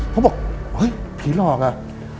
เขาบอกเฮ้ยผีหลอกอ่ะ